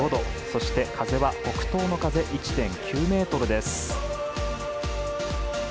そして風は北東の風１．９メートルです。